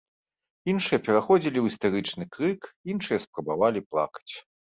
Іншыя пераходзілі ў істэрычны крык, іншыя спрабавалі плакаць.